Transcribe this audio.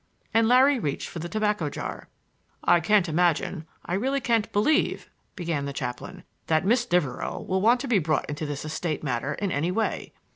And Larry reached for the tobacco jar. "I can't imagine, I really can't believe," began the chaplain, "that Miss Devereux will want to be brought into this estate matter in any way.